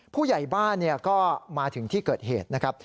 ผู้ใหญ่บ้านก็มาถึงที่เกิดเหตุนะครับ